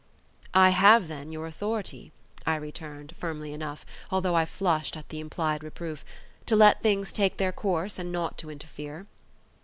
"I have, then, your authority," I returned, firmly enough, although I flushed at the implied reproof, "to let things take their course, and not to interfere?"